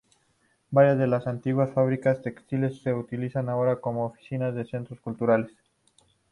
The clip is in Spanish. Varias de las antiguas fábricas textiles se utilizan ahora como oficinas o centros culturales.